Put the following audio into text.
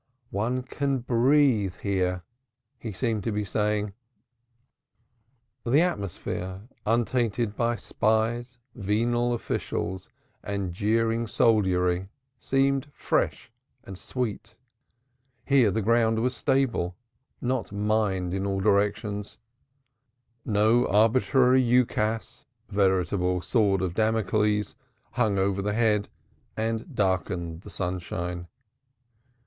"One can breathe here," he seemed to be saying. The atmosphere, untainted by spies, venal officials, and jeering soldiery, seemed fresh and sweet. Here the ground was stable, not mined in all directions; no arbitrary ukase veritable sword of Damocles hung over the head and darkened the sunshine.